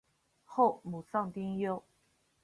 后母丧丁忧。